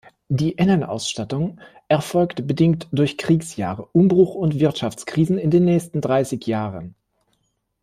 Die Innenausstattung erfolgte bedingt durch Kriegsjahre, Umbruch und Wirtschaftskrisen in den nächsten dreißig Jahren.